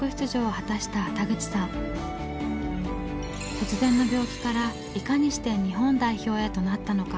突然の病気からいかにして日本代表へとなったのか。